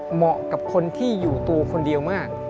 เหมาะกับคนที่อยู่ตัวคนเดียวมาก